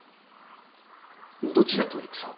どちらと戦を？